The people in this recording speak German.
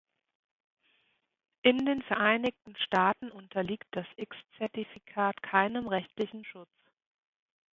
In den Vereinigten Staaten unterliegt das "X-Zertifikat" keinem rechtlichen Schutz.